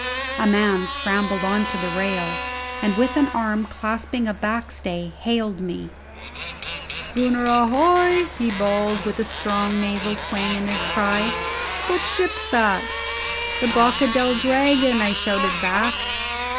A man scrambled on to the rail, and with an arm clasping a backstay hailed me: "Schooner ahoy!" he bawled, with a strong nasal twang in his cry. "What ship's that?" "The Boca del Dragon," I shouted back.